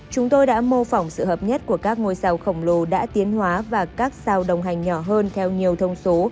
chúng tôi đã mô phỏng sự hợp nhất của các ngôi sao khổng lồ đã tiến hóa và các sao đồng hành nhỏ hơn theo nhiều thông số